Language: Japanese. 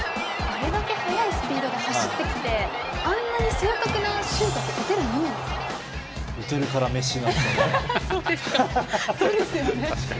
あれだけのスピードで走ってきてあんなに正確なシュートって打てるんですか？